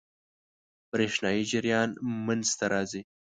برېښنايي جریان منځ ته راځي.